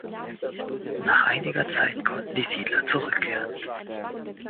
Nach einiger Zeit konnten die Siedler zurückkehren.